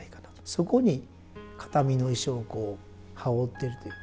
そこに形見の衣装をこう羽織ってるという。